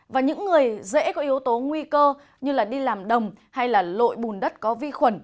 và những người dễ có yếu tố nguy cơ như đi làm đồng hay lội bùn đất có vi khuẩn